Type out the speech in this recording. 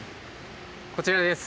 こちらです。